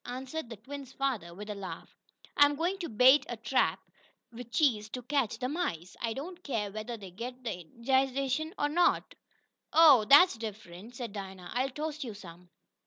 answered the twins' father, with a laugh. "I'm going to bait a trap with cheese to catch the mice. I don't care whether they get the indigestion or not." "Oh! Dat's diffunt," said Dinah. "I'll toast yo' some."